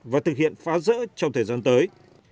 và thực hiện phá rỡ trong thời gian tới